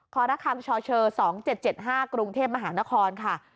คคช๒๗๗๕กรุงเทพฯมหานครค่ะ